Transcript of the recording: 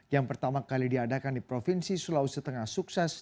yang pertama kali diadakan di provinsi sulawesi tengah sukses